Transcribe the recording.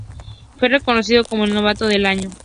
Fue reconocido como el novato del año.